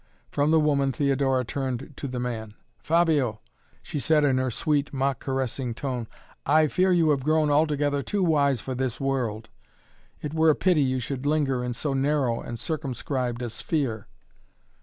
From the woman Theodora turned to the man. "Fabio," she said in her sweet mock caressing tone, "I fear you have grown altogether too wise for this world. It were a pity you should linger in so narrow and circumscribed a sphere."